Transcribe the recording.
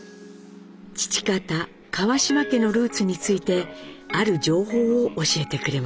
父方・川島家のルーツについてある情報を教えてくれました。